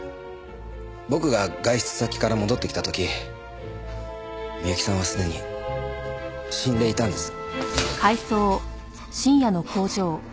僕が外出先から戻ってきた時美由紀さんはすでに死んでいたんです。